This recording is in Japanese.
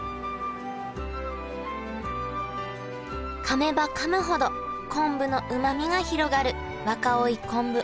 かめばかむほど昆布のうまみが広がる若生昆布